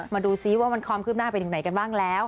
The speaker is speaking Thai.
มาดูซิว่ามันความคืบหน้าไปถึงไหนกันบ้างแล้ว